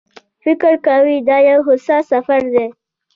فکر کوي دا یو هوسا سفر دی.